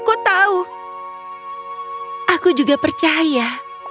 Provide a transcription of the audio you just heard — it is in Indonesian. sudahkah kau memberitahunya